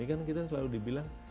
ini kan kita selalu dibilang